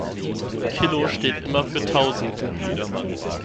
Kilo steht immer für tausend.